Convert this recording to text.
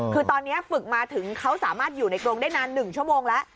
คือตอนนี้ฝึกมาถึงเขาสามารถอยู่ในกรงได้นาน๑ชั่วโมงแล้ว